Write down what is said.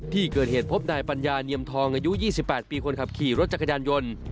ที่เกิดเหตุพบนายปัญญาเนียมทองอายุ๒๘ปีคนขับขี่รถจักรยานยนต์